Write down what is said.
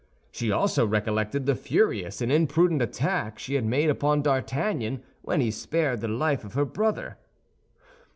She also recollected the furious and imprudent attack she had made upon D'Artagnan when he spared the life of her brother.